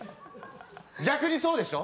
逆にそうでしょ？